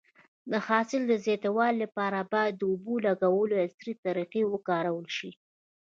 د حاصل د زیاتوالي لپاره باید د اوبو لګولو عصري طریقې وکارول شي.